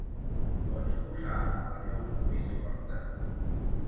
Pots posar la llum més forta?